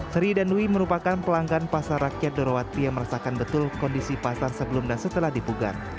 sri dan dwi merupakan pelanggan pasar rakyat darawati yang merasakan betul kondisi pasar sebelumnya setelah dipugar